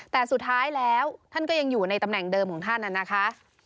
แต่สุดท้ายแล้วท่านก็ยังอยู่ในตำแหน่งเดิมของท่านนะคะ